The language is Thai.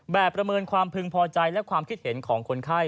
ประเมินความพึงพอใจและความคิดเห็นของคนไข้